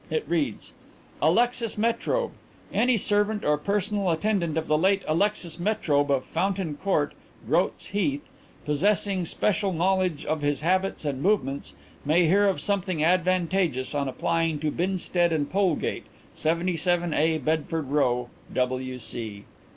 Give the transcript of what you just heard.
It reads: "'Alexis Metrobe. Any servant or personal attendant of the late Alexis Metrobe of Fountain Court, Groat's Heath, possessing special knowledge of his habits and movements may hear of something advantageous on applying to Binstead & Polegate, 77a Bedford Row, W.C.'